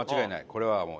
これはもう。